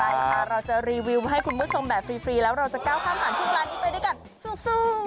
ใช่ค่ะเราจะรีวิวให้คุณผู้ชมแบบฟรีแล้วเราจะก้าวข้ามผ่านช่วงร้านนี้ไปด้วยกันสู้